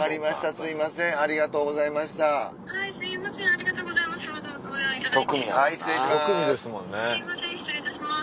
すいません失礼いたします。